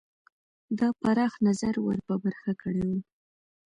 دا پراخ نظر ور په برخه کړی وو.